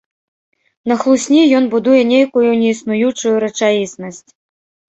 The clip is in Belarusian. На хлусні ён будуе нейкую неіснуючую рэчаіснасць.